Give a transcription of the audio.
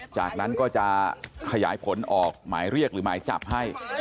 จากนั้นก็จะขยายผลออกหมายเรียกหรือหมายจับให้